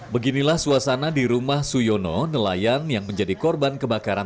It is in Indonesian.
beginilah suasana di rumah suyono nelayan yang menjadi korban kebakaran